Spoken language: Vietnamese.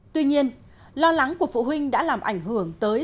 tuy nhiên lo lắng của phụ huynh đã làm ảnh hưởng tới